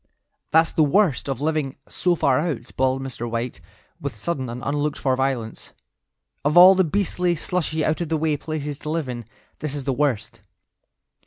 "That's the worst of living so far out," bawled Mr. White, with sudden and unlooked for violence; "of all the beastly, slushy, out of the way places to live in, this is the worst.